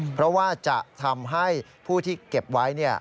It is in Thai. เพราะว่าจะทำให้ผู้ที่เก็บไว้